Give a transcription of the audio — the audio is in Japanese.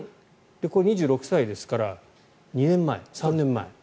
これ、２６歳ですから３年前。